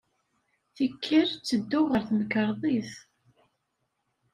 Tikkal, ttedduɣ ɣer temkarḍit.